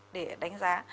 để đánh giá